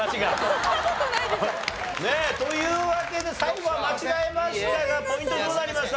そんな事ないでしょ。というわけで最後は間違えましたがポイントどうなりましたか？